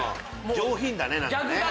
上品だね。